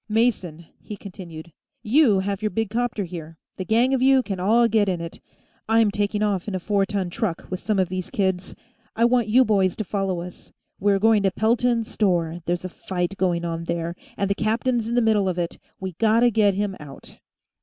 "Mason," he continued, "you have your big 'copter here; the gang of you can all get in it. I'm taking off in a four ton truck, with some of these kids. I want you boys to follow us. We're going to Pelton's store. There's a fight going on there, and the captain's in the middle of it. We gotta get him out."